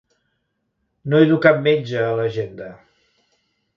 No hi du cap metge, a l'agenda.